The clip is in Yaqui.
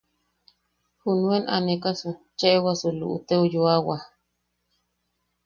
Junuen anekasu cheʼebwasu luʼute ju yoawa.